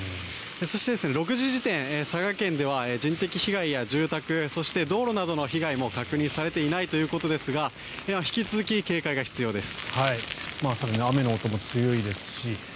そして、６時時点佐賀県では人的被害や住宅そして、道路などの被害も確認されていないということですが引き続き警戒が必要です。